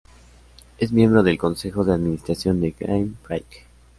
Es miembro del consejo de administración de Game Freak.